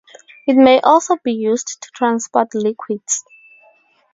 It may also be used to transport liquids.